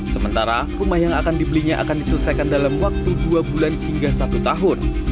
sementara rumah yang akan dibelinya akan diselesaikan dalam waktu dua bulan hingga satu tahun